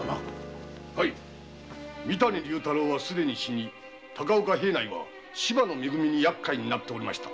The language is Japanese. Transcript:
三谷竜太郎は既に死に高岡平内は芝のめ組に厄介になっておりました。